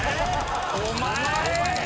お前！